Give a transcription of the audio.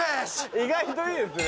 意外といいですね。